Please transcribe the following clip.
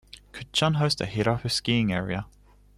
Kutchan hosts the Hirafu skiing area.